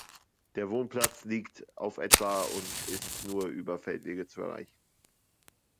Der Wohnplatz liegt auf etwa und ist nur über Feldwege zu erreichen.